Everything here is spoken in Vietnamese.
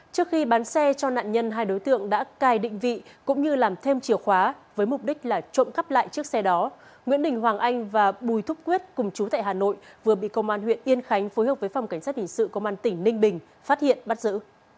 trước khi bán xe cho nạn nhân hai đối tượng đã cài định vị cũng như làm thêm chiều khóa với mục đích là trộm cắp lại chiếc xe đó nguyễn đình hoàng anh và bùi thúc quyết cùng chú tại hà nội vừa bị công an huyện yên khánh phối hợp với phòng cảnh sát hình sự công an tỉnh ninh bình phát hiện bắt giữ